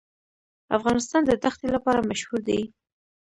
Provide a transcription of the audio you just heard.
افغانستان د دښتې لپاره مشهور دی.